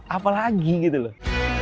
apalagi gitu loh